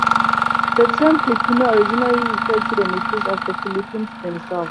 The term "Filipino" originally referred to the natives of the Philippines themselves.